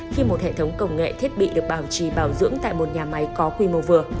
khi một hệ thống công nghệ thiết bị được bảo trì bảo dưỡng tại một nhà máy có quy mô vừa